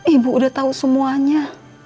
ibu udah tau semuanya